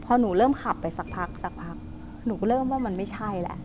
พอหนูเริ่มขับไปสักพักหนูเริ่มว่ามันไม่ใช่แหละ